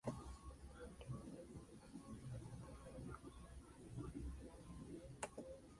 Llevado al cuartel, a la espera de que se firmase la orden de fusilamiento.